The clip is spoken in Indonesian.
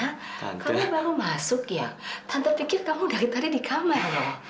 satria kamu baru masuk ya tante pikir kamu dari tadi di kamar ya